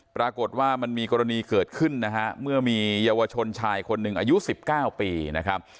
ปรากฏว่ามันมีกรณีเกิดขึ้นนะฮะเมื่อมีเยาวชนชายคนหนึ่งอายุ๑๙ปีนะครับ